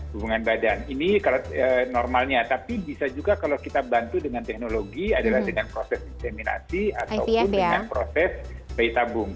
hubungan badan ini normalnya tapi bisa juga kalau kita bantu dengan teknologi adalah dengan proses inseminasi ataupun dengan proses bayi tabung